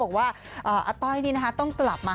บอกว่าอาต้อยนี่นะคะต้องกลับมา